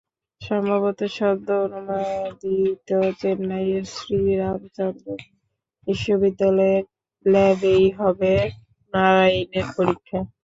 সম্ভবত সদ্য অনুমোদিত চেন্নাইয়ের শ্রী রামাচন্দ্র বিশ্ববিদ্যালয় ল্যাবেই হবে নারাইনের পরীক্ষা।